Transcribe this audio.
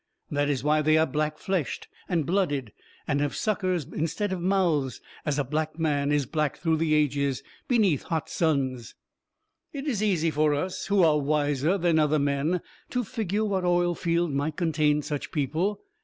That is why they are black fleshed and blooded, and have suckers instead of mouths, as a black man is black through ages beneath hot suns. "It's easy for us, who are wiser than other men, to figure what oilfield might contain such people.